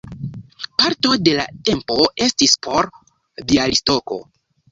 Parto de la tempo estis por Bjalistoko.